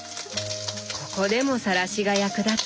ここでもさらしが役立つんだ。